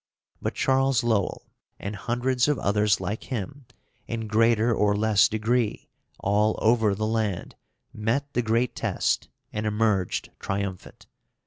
But Charles Lowell, and hundreds of others like him, in greater or less degree, all over the land, met the great test and emerged triumphant.